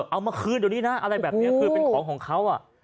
เอามาคืนเดี๋ยวนี้นะอะไรแบบนี้คือเป็นของของเขา